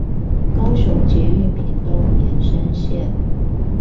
高雄捷運屏東延伸線